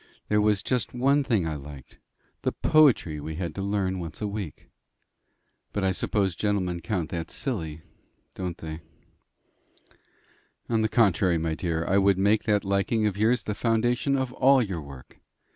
There was just one thing I liked the poetry we had to learn once a week. But I suppose gentlemen count that silly don't they?" "On the contrary, my dear, I would make that liking of yours the foundation of all your work.